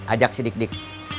ajak si dik dik